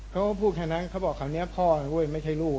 เขาก็พูดแค่นั้นเขาบอกคราวนี้พ่อไม่ใช่ลูก